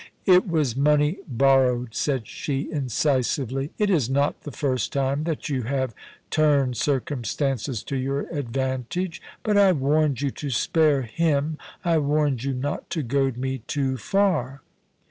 * It was money borrowed,' said she, incisively. * It is not the first time that you have — turned circumstances to your advantage ; but I warned you to spare him. I warned you not to goad me too far.'